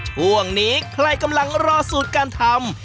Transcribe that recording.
ช่วงนี้ใครกำลังรอสูตรการทำ